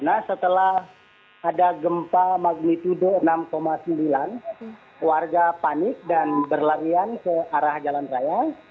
nah setelah ada gempa magnitudo enam sembilan warga panik dan berlarian ke arah jalan raya